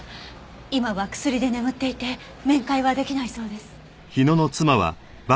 今は薬で眠っていて面会は出来ないそうです。